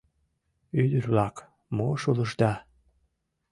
— Ӱдыр-влак, мо шулышда?